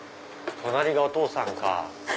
隣がお父さんか。